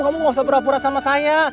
kamu nggak usah berapura sama saya